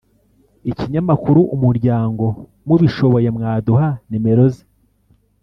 Ikinyamakuru umuryango mubishoboye mwaduha numero ze